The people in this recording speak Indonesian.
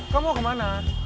kamu mau kemana